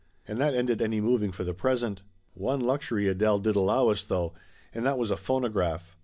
And that ended any moving for the present. One luxury Adele did allow us, though; and that was a phonograph.